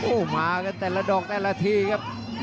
โอ้โหมากันแต่ละดอกแต่ละทีครับ